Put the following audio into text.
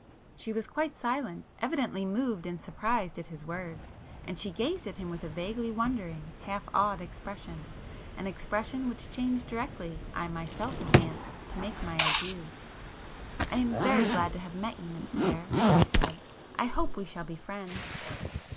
She was quite silent; evidently moved and surprised at his words; and she gazed at him with a vaguely wondering, half awed expression,—an expression which changed directly I myself advanced to make my adieu. [p 240]"I am very glad to have met you, Miss Clare,"—I said—"I hope we shall be friends!"